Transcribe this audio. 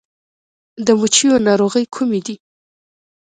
د مچیو ناروغۍ کومې دي؟